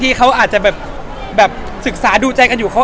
พี่เห็นไอ้เทรดเลิศเราทำไมวะไม่ลืมแล้ว